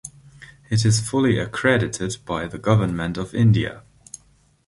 It is fully accredited by the Government of India.